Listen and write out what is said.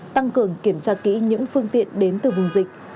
tăng cường kiểm tra kỹ những phương tiện đến từ vùng dịch